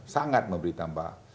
sangat memberi tambah